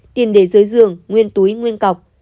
tiền để dưới giường nguyên túi nguyên cọc